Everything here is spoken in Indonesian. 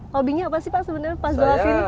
hobinya apa sih pak sebenarnya pas jelasin